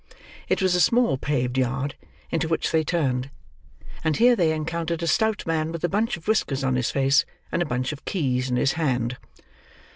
It was a small paved yard into which they turned; and here they encountered a stout man with a bunch of whiskers on his face, and a bunch of keys in his hand.